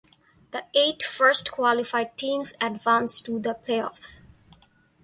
The eight first qualified teams advance to the playoffs.